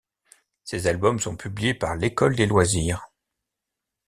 Ses albums sont publiés par L'École des loisirs.